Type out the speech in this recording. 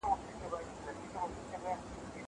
زه له سهاره ليک لولم!